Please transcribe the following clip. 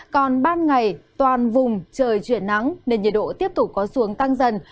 còn ban ngày toàn vùng trời chuyển nắng nên nhiệt độ tiếp tục có xu hướng tăng dần